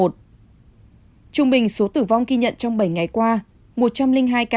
trung bình số tử vong ghi nhận trong bảy ngày qua một trăm linh hai ca